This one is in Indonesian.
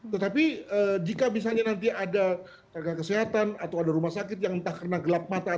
tetapi jika misalnya nanti ada tenaga kesehatan atau ada rumah sakit yang entah karena gelap mata